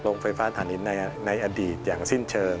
โรงไฟฟ้าฐานหินในอดีตอย่างสิ้นเชิง